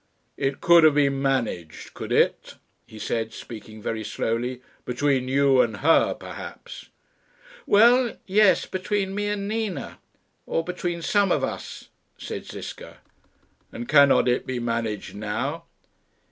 "It could have been managed could it?" he said, speaking very slowly. "Between you and her, perhaps." "Well, yes; between me and Nina or between some of us," said Ziska. "And cannot it be managed now?"